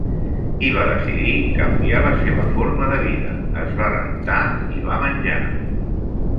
I va decidir canviar la seva forma de vida, es va rentar i va menjar.